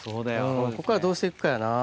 こっからどうして行くかやな。